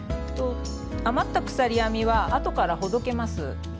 余った鎖編みはあとからほどけます。